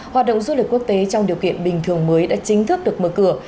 hoạt động du lịch quốc tế trong điều kiện bình thường mới đã chính thức được mở cửa